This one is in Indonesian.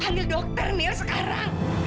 panggil dokter niel sekarang